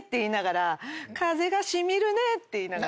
風が染みるねって言いながら。